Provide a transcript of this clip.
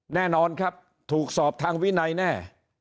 แน่นอนครับถูกสอบทางวินัยแน่